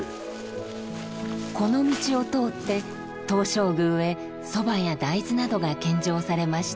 この道を通って東照宮へ蕎麦や大豆などが献上されました。